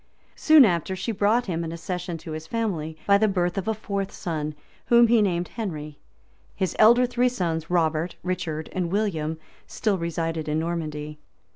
Soon after she brought him an accession to his family, by the birth of a fourth son, whom he named Henry. His three elder sons, Robert, Richard, and William, still resided in Normandy.